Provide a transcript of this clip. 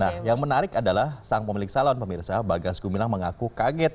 nah yang menarik adalah sang pemilik salon pemirsa bagas gumilang mengaku kaget